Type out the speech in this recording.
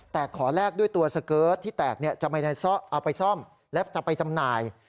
แต่ขอแลกด้วยตัวสเกิร์ตที่แตกจะไปซ่อมและจะไปจำหน่าย